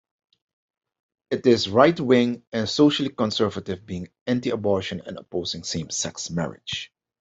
It is right-wing and socially conservative, being anti-abortion and opposing same-sex marriage.